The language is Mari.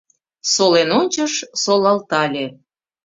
Солен ончыш, солалтале